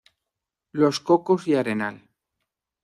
Los Cocos y Arenal.